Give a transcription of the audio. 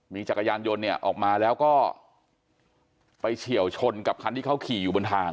มีจักรยานยนต์เนี่ยออกมาแล้วก็ไปเฉียวชนกับคันที่เขาขี่อยู่บนทาง